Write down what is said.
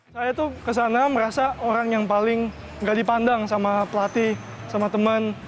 saya tuh kesana merasa orang yang paling gak dipandang sama pelatih sama temen